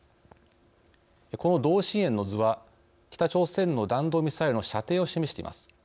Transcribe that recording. この同心円の図は北朝鮮の弾道ミサイルの射程を示しています。